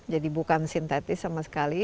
jadi bukan sintetis sama sekali